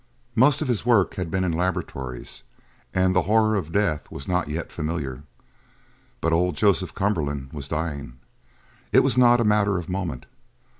Most of his work had been in laboratories, and the horror of death was not yet familiar, but old Joseph Cumberland was dying. It was not a matter of moment.